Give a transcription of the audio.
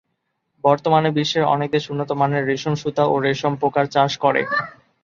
বর্তমানে বিশ্বের অনেক দেশ উন্নতমানের রেশম সুতা ও রেশম পোকার চাষ করে।